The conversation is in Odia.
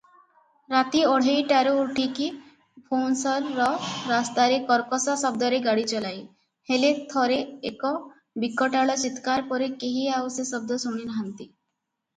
ରାତି ଅଢ଼େଇଟାରୁ ଉଠିକି ଭୋନ୍ସରର ରାସ୍ତାରେ କର୍କଶ ଶବ୍ଦରେ ଗାଡ଼ି ଚଲାଏ, ହେଲେ ଥରେ ଏକ ବିକଟାଳ ଚିତ୍କାର ପରେ କେହି ଆଉ ସେ ଶବ୍ଦ ଶୁଣିନାହାଁନ୍ତି